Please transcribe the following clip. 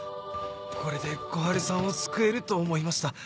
これで小春さんを救えると思いました